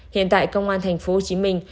hiện tại công an thành phố hồ chí minh